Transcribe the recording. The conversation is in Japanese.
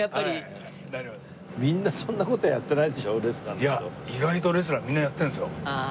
いや意外とレスラーみんなやってるんですよ。